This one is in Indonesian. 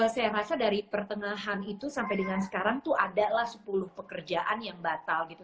saya rasa dari pertengahan itu sampai dengan sekarang tuh adalah sepuluh pekerjaan yang batal gitu